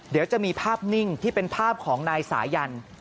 เดี๋ยวจะมีภาพนิ่งที่เป็นภาพของนายสายัน